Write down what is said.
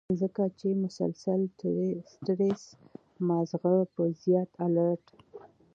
ځکه چې مسلسل سټرېس مازغۀ پۀ زيات الرټ